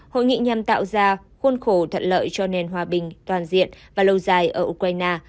hội nghị nhằm tạo ra khuôn khổ thuận lợi cho nền hòa bình toàn diện và lâu dài ở ukraine